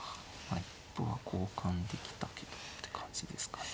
一歩は交換できたけどって感じですかね。